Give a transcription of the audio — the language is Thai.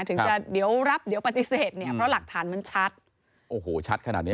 ถึงจะเดี๋ยวรับเดี๋ยวปฏิเสธเนี่ยเพราะหลักฐานมันชัดโอ้โหชัดขนาดเนี้ย